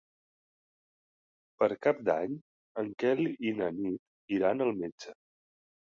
Per Cap d'Any en Quel i na Nit iran al metge.